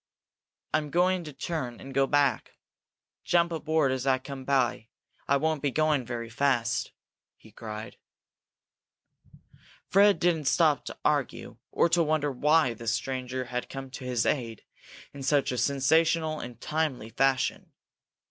"I'm going to turn and go back. Jump aboard as I come by I won't be going very fast!" he cried. Fred didn't stop to argue or to wonder why this stranger had come to his aid in such a sensational and timely fashion.